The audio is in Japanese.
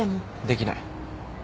できない。